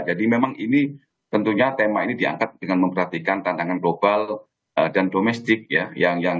jadi memang ini tentunya tema ini diangkat dengan memperhatikan tantangan global dan domestik ya